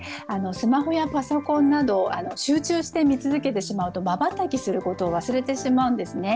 スマホやパソコンなど、集中して見つめ続けてしまうと、瞬きすることを忘れてしまうんですね。